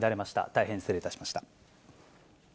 大変失礼いたしました。